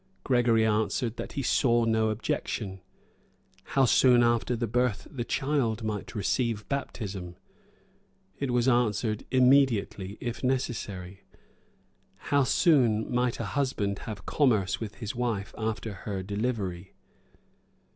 Gregory answered, that he saw no objection. "How soon after the birth the child might receive baptism." It was answered, immediately, if necessary. "How soon a husband might have commerce with his wife after her delivery."